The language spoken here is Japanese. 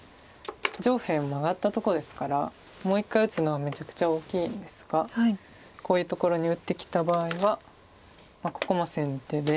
上辺マガったとこですからもう一回打つのはめちゃくちゃ大きいんですがこういうところに打ってきた場合はここも先手で。